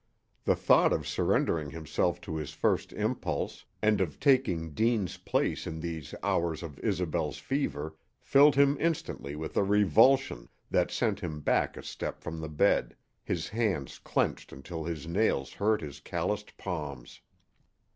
The thought of surrendering himself to his first impulse, and of taking Deane's place in these hours of Isobel's fever, filled him instantly with a revulsion that sent him back a step from the bed, his hands clenched until his nails hurt his calloused palms.